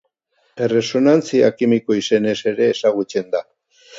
Erresonantzia kimiko izenez ere ezagutzen da.